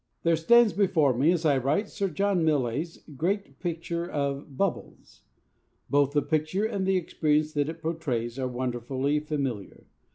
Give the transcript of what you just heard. There stands before me as I write Sir John Millais' great picture of 'Bubbles.' Both the picture and the experience that it portrays are wonderfully familiar.